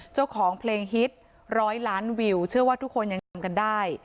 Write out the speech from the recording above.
เจ้าของเพลงฮิตร้อยล้านวิวเชื่อว่าทุกคนยังจำกันได้